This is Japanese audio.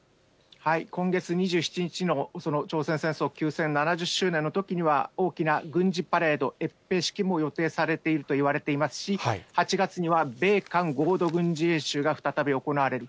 今月２７日の朝鮮戦争休戦７０周年のときには、大きな軍事パレード、閲兵式も予定されているといわれていますし、８月には米韓合同軍事演習が再び行われる。